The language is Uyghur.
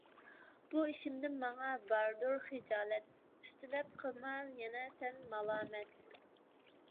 بۇ ئىشىمدىن ماڭا باردۇر خىجالەت، ئۈستىلەپ قىلما يەنە سەن مالامەت.